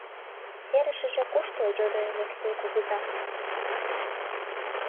— Серышыже кушто? — йодо Элексей кугыза.